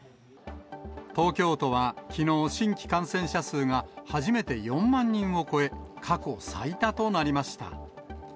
東京都はきのう、新規感染者数が初めて４万人を超え、過去最多となりました。